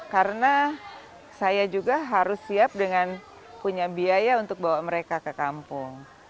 karena saya juga harus siap dengan punya biaya untuk bawa mereka ke kampung